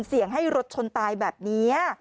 เสียงให้รถชนตายแบบนี้